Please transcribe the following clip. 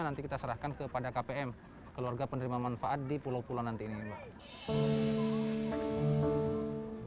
nanti kita serahkan kepada kpm keluarga penerima manfaat di pulau pulau nanti ini mbak